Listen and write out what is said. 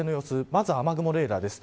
まず雨雲レーダーです。